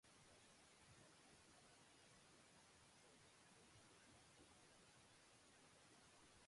Danboreek bere arima jatorrizko Afrikara garraiatzen zuten.